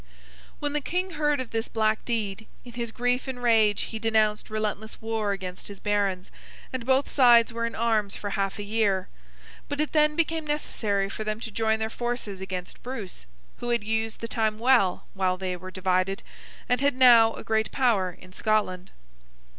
When the King heard of this black deed, in his grief and rage he denounced relentless war against his Barons, and both sides were in arms for half a year. But, it then became necessary for them to join their forces against Bruce, who had used the time well while they were divided, and had now a great power in Scotland.